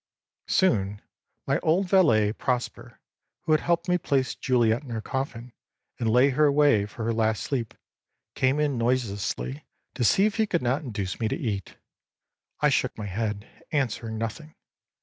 âSoon my old valet, Prosper, who had helped me place Juliette in her coffin and lay her away for her last sleep, came in noiselessly to see if he could not induce me to eat. I shook my head, answering nothing.